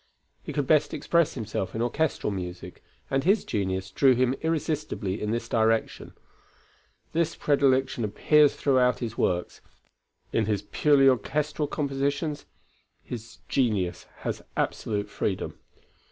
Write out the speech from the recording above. He could best express himself in orchestral music, and his genius drew him irresistibly in this direction. This predilection appears throughout his works. In his purely orchestral compositions, his genius has absolute freedom.